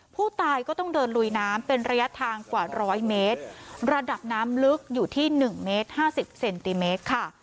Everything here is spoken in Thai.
ผู้ตายก็ต้องเดินลุยน้ำเป็นระยะทางกว่าร้อยเมตรระดับน้ำลึกอยู่ที่หนึ่งเมตรห้าสิบเซนติเมตรค่ะ